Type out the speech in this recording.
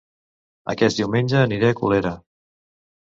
Aquest diumenge aniré a Colera